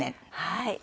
はい。